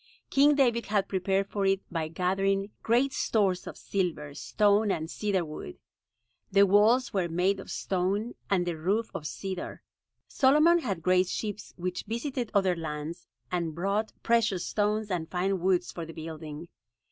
King David had prepared for it by gathering great stores of silver, stone and cedar wood. The walls were made of stone and the roof of cedar. Solomon had great ships which visited other lands and brought precious stones and fine woods for the building.